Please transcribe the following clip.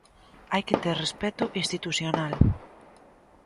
Hai que ter respecto institucional.